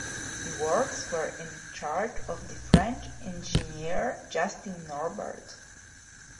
The works were in charge of the French engineer Justin Norbert.